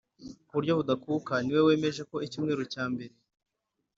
ku buryo budakuka niwe wemeje ko icyumweru cya mbere